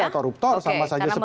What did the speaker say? koruptor gitu ya